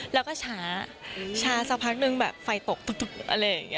แล้วก็ช้าช้าสักพักนึงแบบไฟตกตุ๊บอะไรอย่างนี้